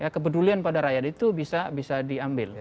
kepedulian pada rakyat itu bisa diambil